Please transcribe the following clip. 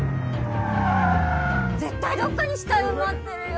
絶対どっかに死体埋まってるよ。